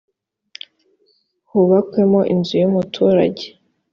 hubakwemo inzu y umuturage